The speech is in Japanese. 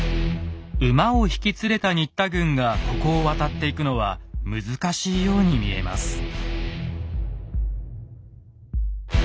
馬を引き連れた新田軍がここを渡っていくのは難しいように見えます。